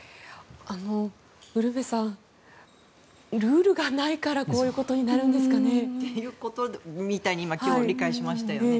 ウルヴェさんルールがないからこういうことになるんですかね。ということみたいに今日、理解しましたよね。